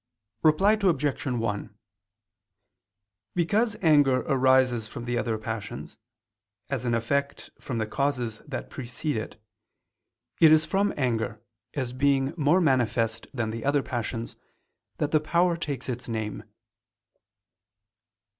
Reply Obj. 1: Because anger arises from the other passions, as an effect from the causes that precede it, it is from anger, as being more manifest than the other passions, that the power takes its name.